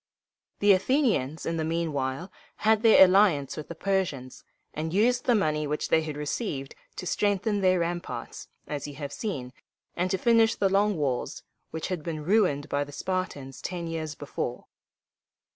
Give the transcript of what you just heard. The Athenians, in the mean while, had made their alliance with the Persians, and used the money which they had received to strengthen their ramparts, as you have seen, and to finish the Long Walls, which had been ruined by the Spartans ten years before.